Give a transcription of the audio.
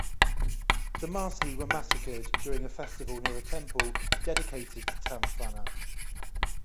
The Marsi were massacred during a festival near a temple dedicated to Tamfana.